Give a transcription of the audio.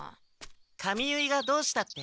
髪結いがどうしたって？